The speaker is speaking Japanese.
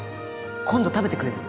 今度食べてくれる？